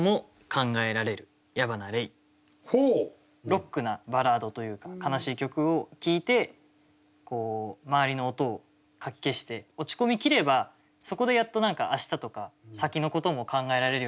ロックなバラードというか悲しい曲を聴いてこう周りの音をかき消して落ち込みきればそこでやっと何か明日とか先の事も考えられるようになるなっていう。